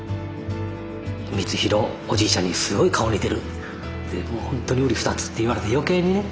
光宏おじいちゃんにすごい顔似てるってもう本当にうり二つって言われて余計にね